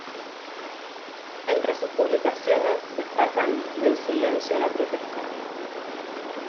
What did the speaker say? Entres sus publicaciones destacan "Del silencio a la protesta.